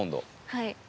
はい。